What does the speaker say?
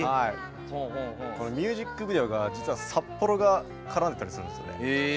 このミュージックビデオが実は札幌が絡んでたりするんですよね。